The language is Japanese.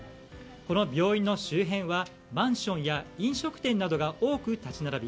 この病院の周辺はマンションや飲食店などが多く立ち並び